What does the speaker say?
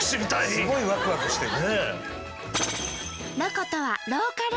すごいワクワクしてる。